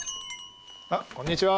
あっこんにちは。